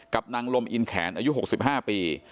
นางลมอินแขนอายุ๖๕ปี